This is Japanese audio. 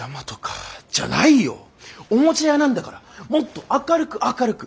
おもちゃ屋なんだからもっと明るく明るく！